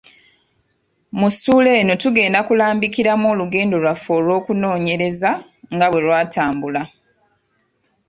Mu ssuula eno tugenda kulambikiramu olugendo lwaffe olw’okunoonyereza nga bwe lwatambula.